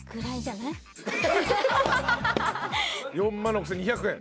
４万６，２００円。